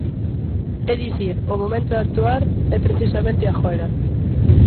É dicir, o momento de actuar é precisamente agora.